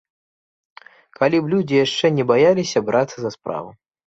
Калі б людзі яшчэ не баяліся брацца за справу.